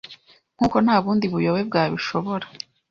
nkuko nta bundi buyobe bwabishobora